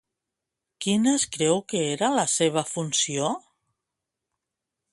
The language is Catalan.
Quina es creu que era la seva funció?